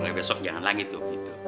mulai besok jangan lagi tuh